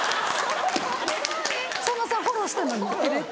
さんまさんフォローしたのに照れるって。